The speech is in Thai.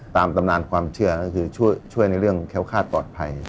ตามตำนานความเชื่อก็คือช่วยในเรื่องแค้วคาดปลอดภัย